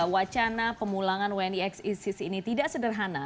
wacana pemulangan wni xi ini tidak sederhana